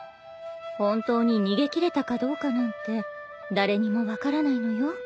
本当に逃げ切れたかどうかなんて誰にも分からないのよ。